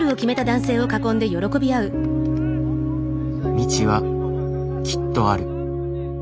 「道はきっとある」。